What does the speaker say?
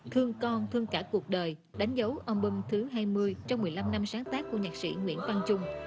thương con thương cả cuộc đời đánh dấu âm bâm thứ hai mươi trong một mươi năm năm sáng tác của nhạc sĩ nguyễn văn trung